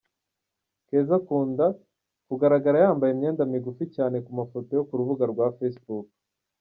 Keza akunda kugaragara yambaye imyenda migufi cyane ku mafoto yo ku rubuga rwa Facebook.